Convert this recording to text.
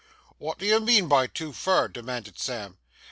'Wot do you mean by too fur?' demanded Sam.